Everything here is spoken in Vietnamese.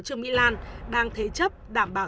trương mỹ lan đang thế chấp đảm bảo